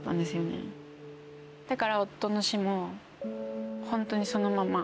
だから夫の死もホントにそのまま。